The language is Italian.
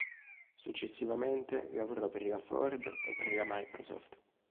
Successivamente lavorò per la Ford e per la Microsoft.